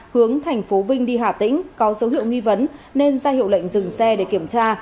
hướng thành phố vinh đi hà tĩnh có dấu hiệu nghi vấn nên ra hiệu lệnh dừng xe để kiểm tra